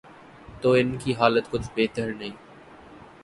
تو ان کی حالت کچھ بہتر نہیں۔